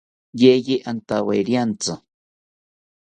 Yeye antawerentzi